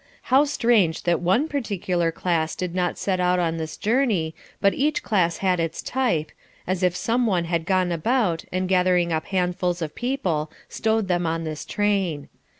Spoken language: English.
How strange that one particular class did not set out on this journey, but each class had its type, as if some one had gone about, and gathering up handfuls of people stowed them on this train.